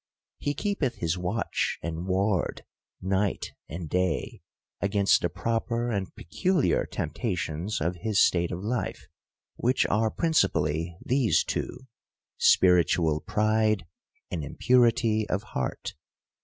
He keepeth his watch and ward, night and day, against the proper and peculiar temptations of his state of life ; which are principally these two, spiritual pride, and impurity of heart.